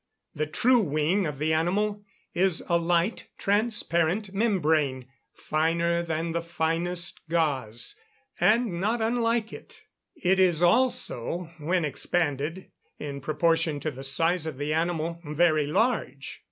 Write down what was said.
The true wing of the animal is a light, transparent membrane, finer than the finest gauze, and not unlike it. It is also, when expanded, in proportion to the size of the animal, very large.